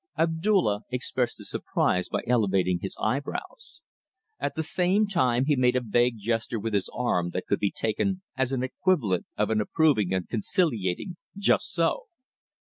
Abdulla expressed his surprise by elevating his eyebrows. At the same time he made a vague gesture with his arm that could be taken as an equivalent of an approving and conciliating "just so!"